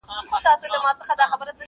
لېونو سره پرته د عشق معنا وي,